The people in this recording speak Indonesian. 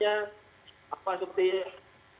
ya apa seperti